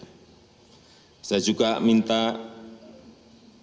saya juga meminta negara lain untuk tidak mengikuti pemindahan kedutaan besarnya ke yerusalem